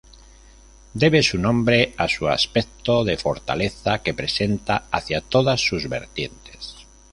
Debe su nombre a su aspecto de fortaleza que presenta hacia todas sus vertientes.